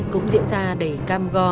cũng diễn ra đầy cam go